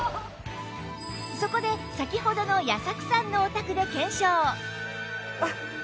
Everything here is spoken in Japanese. そこで先ほどの矢作さんのお宅で検証